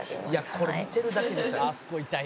「これ見てるだけで痛い」